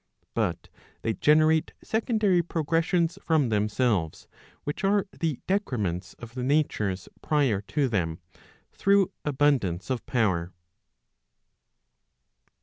But they generate secondary pro¬ gressions from themselves, which are the decrements of the natures prior to them, through abundance of power.